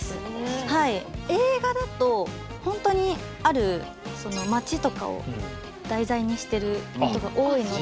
映画だとほんとにある街とかを題材にしてることが多いので。